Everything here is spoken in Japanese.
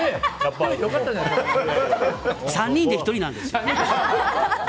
３人で１人なんですよ。